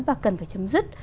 và cần phải chấm dứt